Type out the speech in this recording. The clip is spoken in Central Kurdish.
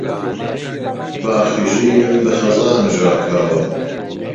باخی ژینم بە خەزان ژاکاوە